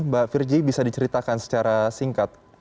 mbak virgi bisa diceritakan secara singkat